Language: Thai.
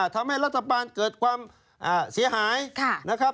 ทำให้รัฐบาลเกิดความเสียหายนะครับ